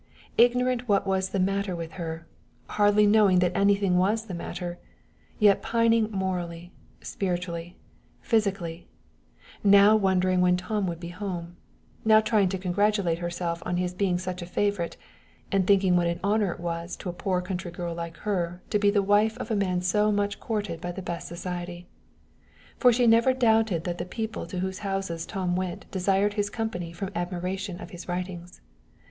ignorant what was the matter with her, hardly knowing that anything was the matter, and yet pining morally, spiritually, and psychically; now wondering when Tom would be home; now trying to congratulate herself on his being such a favorite, and thinking what an honor it was to a poor country girl like her to be the wife of a man so much courted by the best society for she never doubted that the people to whose houses Tom went desired his company from admiration of his writings.